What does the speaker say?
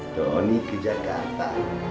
tony ke jakarta